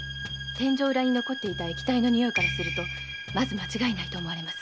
⁉天井裏に残った液体の匂いからまず間違いないと思われます。